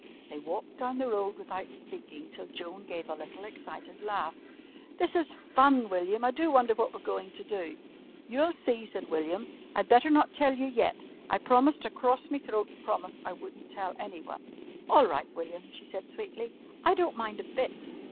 They walked down the road without speaking till Joan gave a little excited laugh. "This is fun, William! I do wonder what we're going to do." "You'll see," said William. "I'd better not tell you yet. I promised a crorse me throat promise I wouldn't tell anyone." "All right, William," she said sweetly. "I don't mind a bit."